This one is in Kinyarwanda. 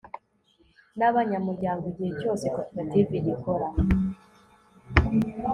n abanyamuryango igihe cyose koperative igikora